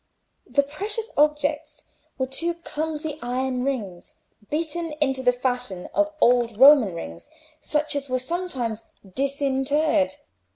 The precious objects were two clumsy iron rings, beaten into the fashion of old Roman rings, such as were sometimes disinterred.